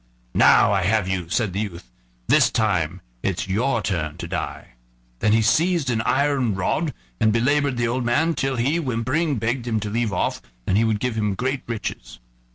"Now I have you," said the youth; "this time it's your turn to die." Then he seized an iron rod and belabored the old man till he, whimpering, begged him to leave off, and he would give him great riches.